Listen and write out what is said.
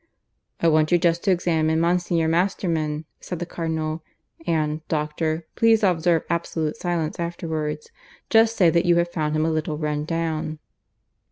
"I want you just to examine Monsignor Masterman," said the Cardinal. "And, doctor, please observe absolute silence afterwards. Just say that you have found him a little run down."